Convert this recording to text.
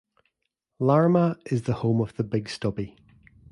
Larrimah is the home of the Big Stubby.